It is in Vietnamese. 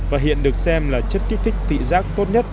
và hiện được xem là chất kích thích thị giác tốt nhất